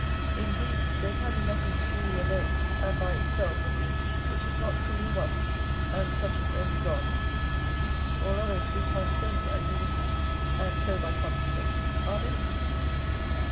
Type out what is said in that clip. In brief, there can be nothing truly alone, and by its self, which is not truly one, and such is only God: all others do transcend an unity, and so by consequence are many.